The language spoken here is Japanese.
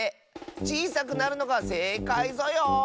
ちいさくなるのがせいかいぞよ。